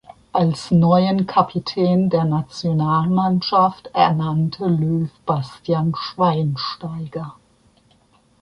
Als neuen Kapitän der Nationalmannschaft ernannte Löw Bastian Schweinsteiger.